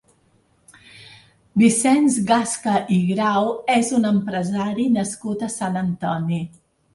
Vicenç Gasca i Grau és un empresari nascut a Sant Antoni.